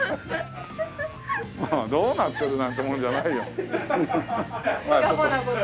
どうなってるなんてもんじゃないよ。